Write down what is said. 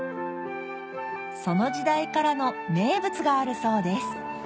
その時代からの名物があるそうです